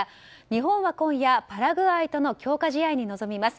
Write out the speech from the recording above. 日本は今夜パラグアイとの強化試合に臨みます。